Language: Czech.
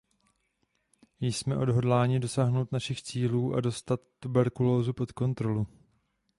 Jsme odhodláni dosáhnout našich cílů a dostat tuberkulózu pod kontrolu.